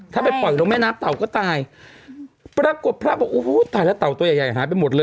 ถ้าไปปล่อยลงแม่น้ำเต่าก็ตายปรากฏพระบอกโอ้โหตายแล้วเต่าตัวใหญ่ใหญ่หายไปหมดเลย